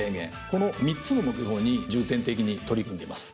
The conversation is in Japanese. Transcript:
この３つの目標に重点的に取り組んでいます。